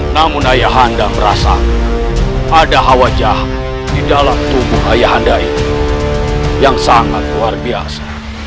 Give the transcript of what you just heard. namun ayahanda merasa ada eens hadah cah di dalam tubuh ayahanda yang sangat luar biasa